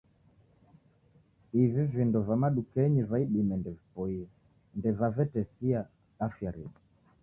Ivi vindo va madukenyi va idime ndeviboie, ndevavetesia afya redu